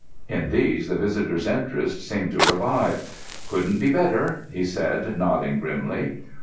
In these the visitor's interest seemed to revive. "Couldn't be better," he said, nodding grimly.